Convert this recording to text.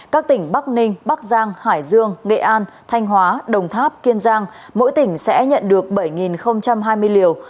các tỉnh bắc ninh bắc giang hải dương nghệ an thanh hóa đồng tháp kiên giang mỗi tỉnh sẽ nhận được bảy hai mươi liều